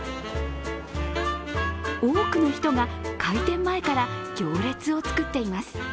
多くの人が開店前から行列を作っています。